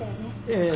ええ。